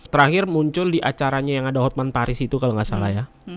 terakhir muncul di acaranya yang ada hotman paris itu kalau nggak salah ya